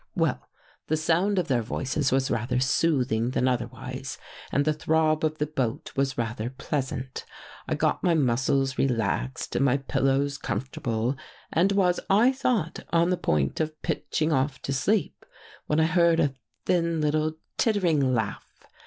" Well, the sound of their voices was rather soothing than otherwise and the throb of the boat was rather pleasant. I got my muscles relaxed and my pillows comfortable, and was, I thought, on the point of pitching off to sleep, when I heard a thin little tittering laugh.